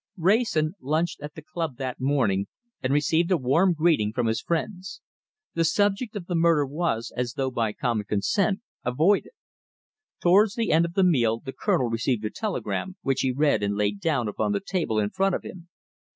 Wrayson lunched at the club that morning, and received a warm greeting from his friends. The subject of the murder was, as though by common consent, avoided. Towards the end of the meal the Colonel received a telegram, which he read and laid down upon the table in front of him.